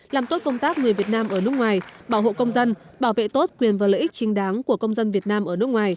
làm tốt công tác người việt nam ở nước ngoài bảo hộ công dân bảo vệ tốt quyền và lợi ích chính đáng của công dân việt nam ở nước ngoài